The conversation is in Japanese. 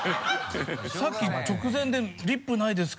さっき直前でリップないですか？